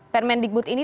permending boot yang ini